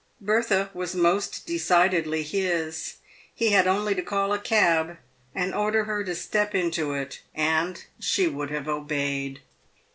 Bertha was most de cidedly his. He had only to call a cab, and order her to step into it, and she would have obeyed.